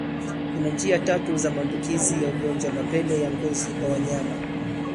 Kuna njia tatu za maambukizi ya ungojwa wa mapele ya ngozi kwa wanyama